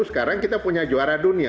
sekarang kita punya juara dunia